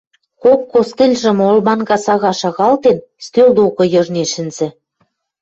Кок костыльжым олманга сага шагалтен, стӧл докы йыжнен шӹнзӹ.